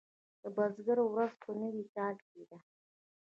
د بزګر ورځ په نوي کال کې ده.